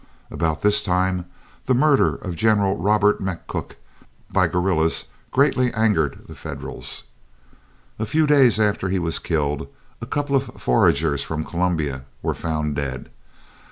About this time the murder of General Robert McCook by guerrillas greatly angered the Federals. A few days after he was killed a couple of foragers from Columbia were found dead.